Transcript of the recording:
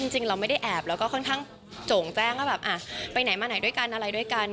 จริงเราไม่ได้แอบแล้วก็ค่อนข้างโจ่งแจ้งว่าแบบไปไหนมาไหนด้วยกันอะไรด้วยกัน